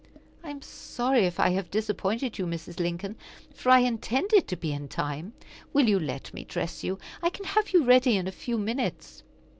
"I am sorry if I have disappointed you, Mrs. Lincoln, for I intended to be in time. Will you let me dress you? I can have you ready in a few minutes."